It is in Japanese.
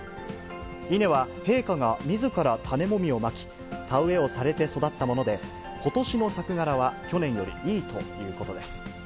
稲は、陛下がみずから種もみをまき、田植えをされて育ったもので、ことしの作柄は、去年よりいいということです。